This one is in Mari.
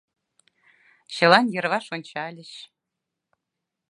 Чылан йырваш ончальыч.